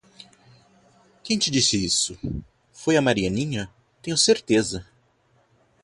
Quem te disse isso? Foi a Marianinha, tenho certeza.